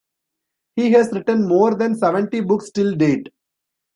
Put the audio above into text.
He has written more than seventy books till date.